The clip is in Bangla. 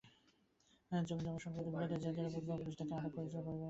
জমিজমাসংক্রান্ত বিরোধের জের ধরে বুধবার পুলিশ তাঁকে আটক করেছিল বলে পরিবারের অভিযোগ।